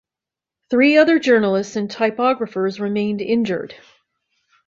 Three other journalists and typographers remained injured.